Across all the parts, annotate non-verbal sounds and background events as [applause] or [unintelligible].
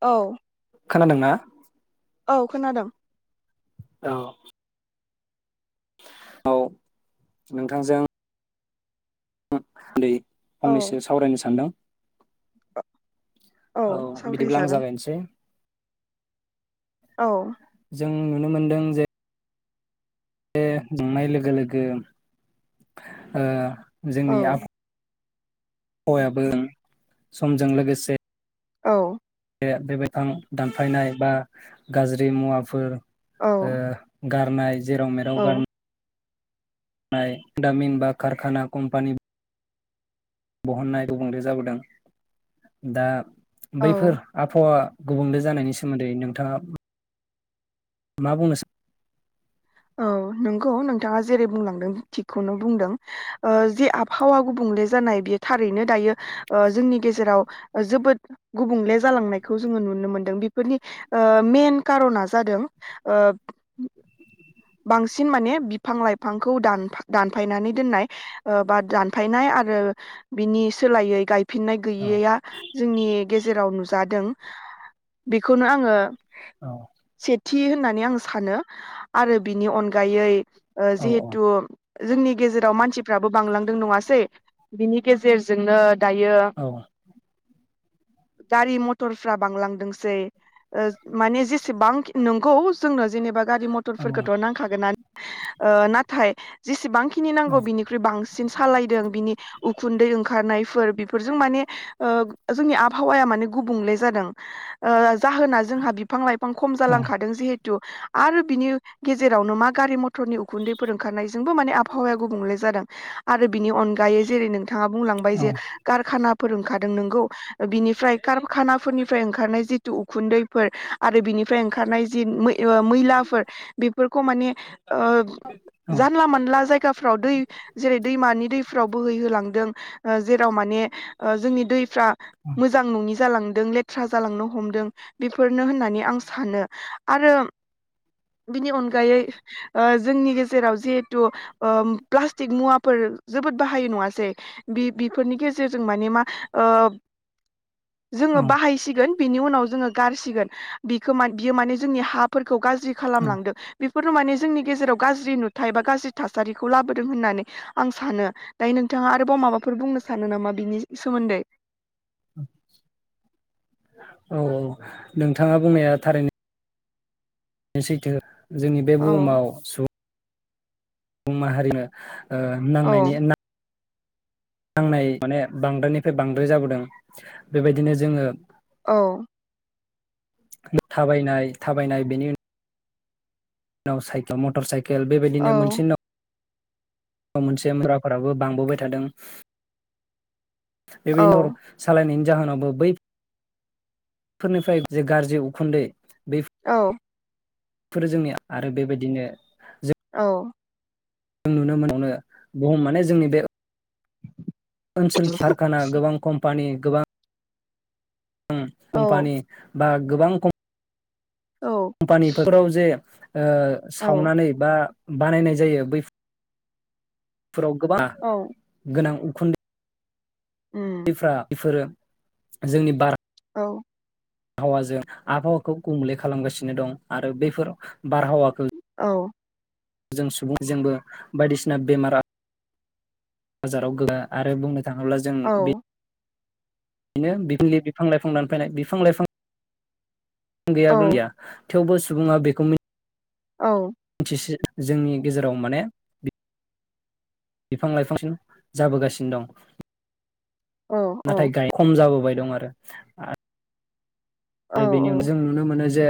औ खोनादोंना औ खोनादों औ औ नोंथांजों [unintelligible] औ फंनैसो सावरायनो सानदों औ बिदिब्ला आं जागायनोसै औ जों नुनो मोनदों जे बे नुनाय लोगो लोगो ओ औ जोंनि आब हौवायाबो समजों लोगोसे औ बे बिफां दानफायनाय बा गाज्रि मुवाफोर औ ओ गारनाय जेराव मेराव औ गारनो नाय दामिन ब खारखाना कम्पानि बहननाय गुबुंले जाबोदों दा औ बैफोर आबहावा गुबुंले जानायनि सोमोन्दै नोंथाङा मा बुंनो सा औ नंगौ नोंथाङा जेरै बुंलांदों थिगखौनो बुंदों ओ जे आबहावा गुबुंले जानाय बियो थारैनो दायो ओ जोंनि गेजेराव जोबोद गुबुंले जालांनायखौ जोङो नुनो मोनदों बेफोरनि ओ मेन कार'ना जादों ओ बांसिन माने बिफां लाइफांखौ दान- दानफायनानै दोननाय ओ बा दानफायनाय आरो बिनि सोलायै गाय फिननाय सान औ गैयैया जोंनि गेजेराव नुजादों बेखौनो आङो औ थि होननानै आं सानो आरो बिनि अनगायै ओ औ जिहेथु जोंनि गेजेराव मानसिफ्राबो बांलांदों नङासै बिनि गेजेरजोंनो दायो औ गारि मथरफ्रा बांलांदोंसै ओ माने जेसेबां नंगौ जोंनो जेनेबा गारि औ टरफोरखौथ' नांखागोन ओ नाथाय जेसेबां खिनि औ नांगौ बिनिख्रुइ बांसिन सालायदों बिनि खुन्दै ओंखारनायफोर बेफोरजों माने ओ जोंनि आबहावाया माने गुबुंले जादों ओ जाहोना जोंहा बिफां लाइफां खम औ जालांखादों जिहेथु आरो बिनि गेजेरावनो मा गारि मथर टरनि उखुन्दैफोर ओंखारनायजोंबो माने आबहावाया गुबुंले जादों आरो बिनि अनगायै जेरै नोंथाङा बुंलांबाय जे कारखानाफोर ओंखार दों नोंगौ ओ बिनिफ्राय खारखानाफोरनिफ्राय ओंखारनाय जिथु उखुन्दैफोर आरो बिनिफ्राय ओंखारनाय जि मै ओ मैलाफोर बेफोरखौ माने ओ औ जानला मानला जायगाफ्राव दै जेरै दैमानि दैफ्राव बोहैहोलांदों ओ जेराव माने ओ जोंनि दै फ्रा मोजां नङि जालांदों लेथ्रा जालांनो हमदों बेफोरनो होननानै आं सानो आरो बिनि अनगायै ओ जोंनि गेजेराव जिहेथु ओ प्लास्टिक मुवाफोर जोबोद बाहायो नङासै बि बेफोरनि गेजेरजों माने मा ओ औ जोङो बाहायसिगोन बिनि उनाव जोङो गारसिगोन बिखो मा बियो माने जोंनि हाफोरखौ गाज्रि औ खालामलांदों बे बेफोर माने जोंनि गेजेराव गाज्रि नुथथाय बा गाज्रि थासारिखौ लाबोदों होननानै आं सानो दायो नोंथाङा आरोबाव माबाफोर बुंनो सानो नामा बिनि सोमोन्दै? औ औ नोंथाङा बुंनाया थारैनो सैथो जोंनि बे औ बुहुमाव सुबु बुं माहारिनो ओ औ नांनायनि ना नांनाय माने बांद्रायानिफ्राय बांद्राय जाबोदों बेबायदिनो जोङो अ थाबायनाय थाबायनाय बेनि उन नाव साइक मटर साइ केल बेबायदिनो औ मोनसे न नाव मोनसे मुरा बो बांबोबाय थादों बेबायदि नर औ सालायनायनि जाहोनावबो बै फोरनिफ्राय जे गाज्रि उखुन्दै औ फोरो जोंनिया आरो बेबायदिनो जों औ नुनो मोनो बुम माने जोंनि बे ओनसोल खियारखाना गोबां कम्पानि गोबां उम कम्पानि बा गोबां खम औ फानि फोथाराव जे ओ औ सावनानै बा बानायनाय जायो बैफ फोराव गोबां औ गोनां खुन्दै उम इफ्रा इफोरो जोंनि बारा औ हावाजों आबहावाखौ गुबुंले खालामगासिनो दं आरो बेफोर बारहावाखो औ जों सुबुं जोंबो बायदिसिना बेमारा जाराव [inaudible] आरो बुंनो थाङोब्ला जों औ बि नो बिफिलि बिफां लाइफां दानफायनाय बिफां लाइफां [unintelligible] थेवबो सुबुङा बेखौ मि औ थि जोंनि गेजेराव माने बिफां लाइफांसिन जाबोगासिनो दं औ नाथाय गाय खम जाबोबाय दं आरो आ औ आरो बेनि अन जों नुनो मोनो जे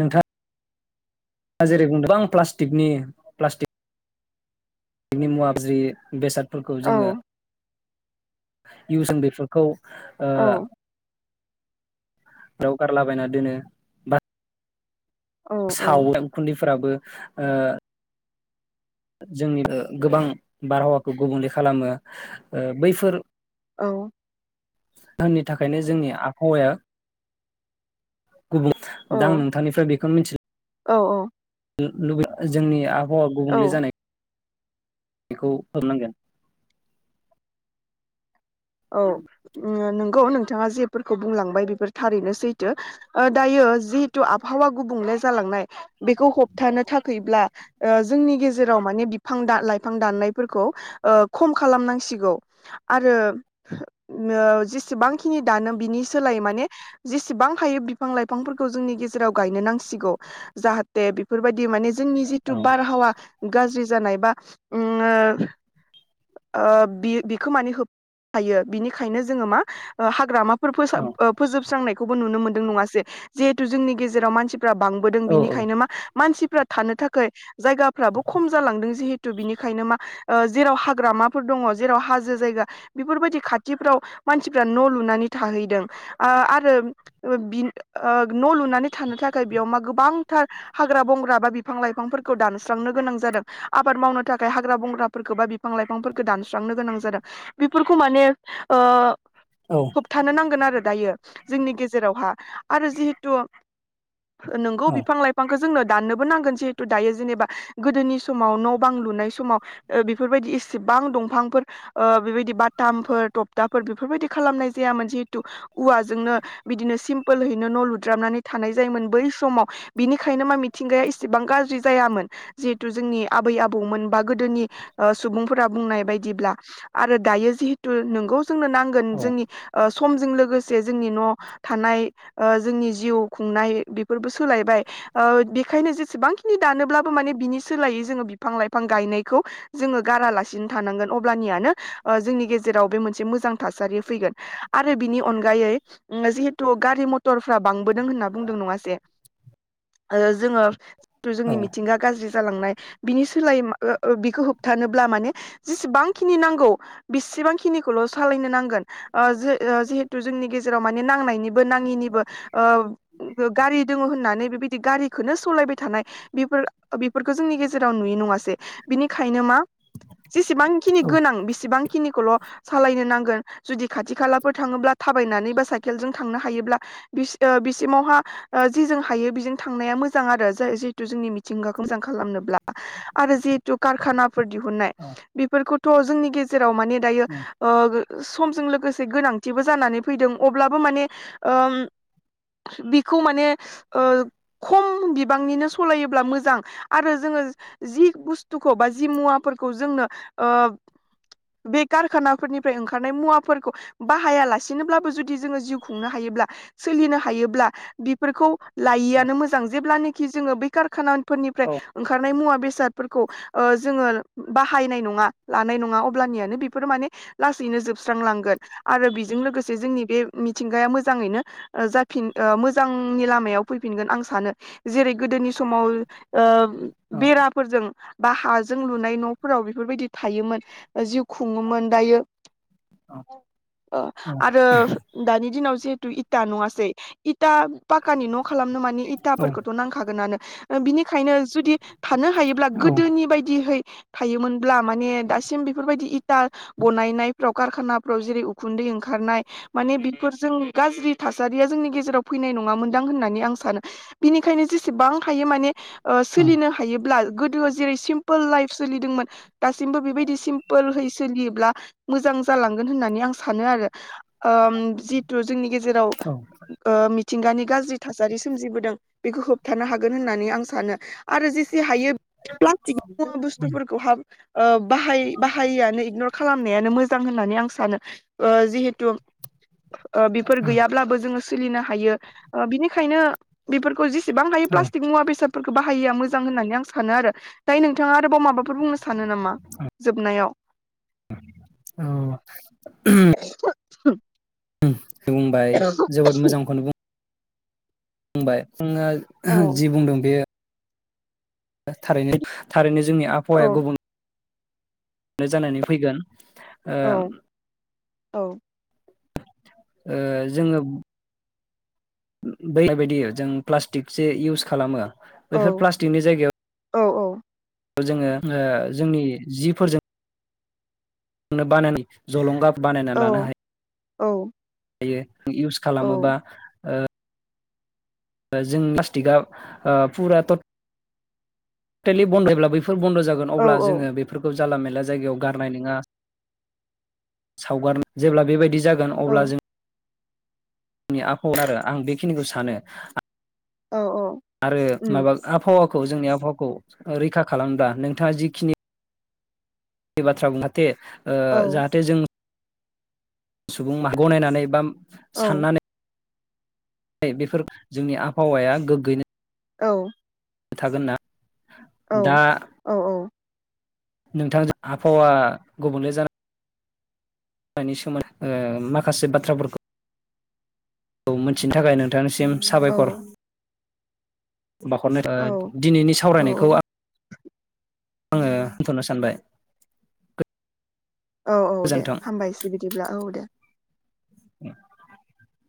नोंथां जेरै बुंदों गोबां प्लास्टिकनि प्लास्टिक कनि मुवाबजि बेसाद फोरखौ जोङो इउ जों बेफोरखौ ओ औ फ्राव गारलाबायना दोनो बा साव फोराबो ओ जोंनि गोबां बारहावाखौ गुबुंले खालामो ओ बैफोर औ थाखायनो जोंनि आबहावाया गुबुं दा आं नोंथांनिफ्राय बे खौनो मिथि औ औ [unintelligible] जोंनि हवा गुबुंले औ जानाय बेखौ हनांगोन औ नों गौ नोंथाङा जेफोरखौ बुंलांबाय बेफोर थारैनो सैथो ओ दायो जिहेथु आबहावा गुबुंले जालांनाय बेखौ होबथानो थाखब्ला ओ जोंनि गेजेराव माने बिफां लाइफां दाननायफोरखौ ओ खम खालामनांसिगौ आरो ओ जेसेबांखिनि दानो बिनि सोलाय माने जेसेबां हायो बिफां लाइफांफोरखौ जोंनि गेजेराव गायनो नांसिगौ जाहाथे बेफोरबायदि माने जोंनि जिथु औ बारहावा गाज जानाय बा उम ओ बिखो माने सोब थायो बिनिखायनो जोङो मा ओ हाग्रामा औ फोजोबस्रांनायखौबो नुनो मोनो दों नङा से जिहेथु जोंनि गेजाव मसि बांबोदों औ औ बिनिखायनो मा मानसि थानो थाखाय जायगाफ्राबो खम जालांदों जिहेथु बिनिखायनो मा ओ जेराव हाग्रामाफोर दङ जेराव हाजो जायगा बेफोरबायदि खाथिफ्राव मानसिफ्रा न' लुनानै थाहैदों ओ आरो ओ न' लुनानै थानो थाखाय बेयाव मा गोबांथार हाग्रा बंग्रा बा बिफां लाइफांफोरखौ दानस्रांनो गोनां जादों आबाद मावनो थाखाय हाग्रा बंग्राफोरखौ बा बिफां लाइफांफोरखौ दानस्रांनो गोनां जादों बेफोरखौ माने होबथानो नांगोन आरो दायो जोंनि गेजेरावहा आरो जिहेथु नोंगौ बिफां लाइफांखौ जोंनो दाननोबो नांगोन जिहेथु दायो जेनेबा गोदोनि समाव न' बां लुनाय समाव ओ बेफोरबायदि एसेबां दंफांफोर ओ बेबायदि बाटामफोर थपथाफोर बेफोरबायदि खालामनाय जायामोन जिहेतु औवाजोंनो बिदिनो सिमपोलहैनो न' लुद्रामनानै थानाय जायोमोन बै समाव बिनिखायनो मा मिथिंगाया इसेबां गाज्रि जायामोन जिहेतु जोंनि आबै आबौमोन बा गोदोनि ओ सुबुंफोरा बुंनाय बायदिब्ला आरो दायो जिहेतु नोंगौ जोंनो नांगोन जोंनि ओ समजों लोगोसे जोंनि न' थानाय ओ जोंनि जिउ खुंनाय बेफोरबो सोलायबाय ओ बेखायनो जेसेबांखिनि दानोब्लाबो माने बिनि सोलायै जोङो बिफां लाइफां गायनायखौ जोङो गारालासिनो थानांगोन अब्लानियानो ओ जोंनि गेजेराव बे मोनसे मोजां थासारि फैगोन आरो बिनि अनगायै उम जिहेथु गारि मथरफ्रा बांबोदों होनना बुंदों नङा जे ओ जोङो हेथु औ जोंनि मिथिंगा गाज्रि जालांनाय बिनि सोलाय बिखौ होबथानोब्ला माने जेसेबांखिनि नांगौ बेसेबां खिनिखौल' सालायनो नांगोन ओ जि-जिहेथु जोंनि गेजेराव माने नांनायनिबो नाङिनिबो ओ गारि दङ होननानै बेबायदि गारिखौनो सालायबाय थानाय बेफोर बेफोरखौ जोंनि गेजेराव नुयो नङासै बिनिखायनो मा जेसेबांखिनि औ गोनां बेसिबां खौल' सालाय नो नांगोन जुदि खाथि खालाफोर थाङोब्ला थाबायनानै बा साइकेलजों थांनो हायोब्ला बिस-बिसिमावहा ओ जिजों हायो बिजों थांनाया मोजां आरो जाय जिहेथु जोंनि मिथिंगाखौ मोजां खालामनोब्ला आरो जिहेथु कारखाना फोर दिहुननाय औ बेफोरखौ थ' जोंनि गेजेराव राव माने दायो उम ओ समजों लोगोसे गोनांथिबो जानानै फैदों अब्लाबो माने ओ बिखौ माने ओ खम बिबांनिनो सालायोब्ला मोजां आरो जोङो जि बुस्थुखौ बा जि मुवाफोरखौ जोंनो ओ बे कारखानाफोरनिफ्राय ओंखारनाय मुवाफोरखौ बाहायालासिनोब्लाबो जुदि जोङो जिउ खुंनो हायोब्ला सोलिनो हायोब्ला बेफोरखौ औ लायिआनो मोजां जेब्लानि कि जोङो बेै खाराखाना फोरनिफ्राय औ ओंखारनाय मुवा बे बेसादफोरखौ ओ जों बाहायनाय नङा लानाय नङा अब्ला अब्लानियानो बेफोर माने लासैनो जोबस्रांलांगोन आरो बेजों लोगोसे जोंनि बे मिथिंगाया मोजाङैनो ओ जाफिन मोजांनि लामायाव फैफिनगोन आं सानो जेरै गोदोनि समाव ओ बेराफोरजों बा हाजों लुनाय न'फोराव बेफोरबायदि थायोमोन जिउ खुङोमोन दायो ओ आरो दानि दिनाव जे थु इटा नङासै इटा पाकानि न' खालामनो मानि इथाफोरखौथ' नांखागोनानो बिनिखायनो जुदि थानो हायोब्ला औ गोदोनि बायदिहै थायोमोन। ब्ला माने दासिम बायदि इथा बनायफ्राव कारखानाफ्राव जेरै उखुन्दै ओंखारनाय माने बेफोरजों गाज्रि थासारिया जोंनि गेजेराव फैनाय नङा मोनदां होननानै आं सानो बिनिखायनो जेसेबां हायो माने ओ सोलिनो हायोब्ला गोदोआव जेरै सिम्पोल लाइफ सोलिदोंमोन दासिमबो बेबायदि सिमप पोलहै सोलियोब्ला मोजां जालांगोन होननानै आं सानो आरो ओ जिथु जोंनि गेजेराव थिंगानि गाज्रि थासारि सोमजिबोदों बेखौ होबथानो हागोन होननानै आं सानो आरो जेसे हायो प्लास्टिकनि मुवा बुस्थुफोरखो हा ओ बाहा बाहायो आनो [unintelligible] खालामनायानो मोजां होननानै आं सानो ओ जिहेथु ओ बिफोर गैयाब्लाबो जोङो सोलिनो हायो ओ बिनिखायनो बिफोरखौ जि सिबां हायो औ प्लासटिक मुवा बेसाद फोरखो बाहायैया मोजां होन्नानै आं सानो आरो दायो नोंथाङा आरोबाव माबाफोर बुंनो सानो नामा औ जोबनायाव [unintelligible] [inaudible] [inaudible] बुंबाय जोबोद मोजांखौनो बु [unintelligible] जोङो औ जि बुंदों बेयो ओ थारैनो थारैनोज जोंनि औ आबहावाया गुबुन नो जानानै फै ओ औ औ। ओ जोङो [unintelligible] जों प्लास्टिकसो इउस खालामो बैफोर औ प्लास्टिकनि जायगायाव औ औ जोङो ओ जोंनि जिफोरजों नो बानानि जलंगा बानायना औ लानो हाय औ हायो इउस खालामोबा ओ ओ जों प्लास्टिकआ ओ फुरा थ' टेलि बन्द [inaudible] फोर बन्द' जागोन अब्ला औ जोङो बेफोरखौ जाला मेला जायगायाव गारनाय नोङा सावगारनो जेब्ला बेबायदि जागोन अब्ला औ जों नि आखल आरो आं बेखिनिखौ सानो औ औ आरो उम माबा आबहावा खौ जोंनि आबहावखौ रैखा खालाम्रा नोंथाङा जिखिनि बे बाथ्रा बुं जाहाथे ओ औ जाहाथे जों सुबुं माहारा [unintelligible] गनायनानै बा औ साननानै बेफोर जोंनि आबहावाया गोग्गैनो औ थागोन ना औ दा औ नोंथांजों आबहावा गुबुंले जाना नि सोमोन्दै माखासे बाथ्राफोरखौ मिथिनो थाखाय नोंथां [unintelligible] सिम औ साबायखर बावहरनाय [unintelligible] दिनैनि सावरायनायखौ औ आं आङो होनथ'नो सानबाय औ औ दे गोजोन्थों। हामबायसै बिदिब्ला औ दे [inaudible]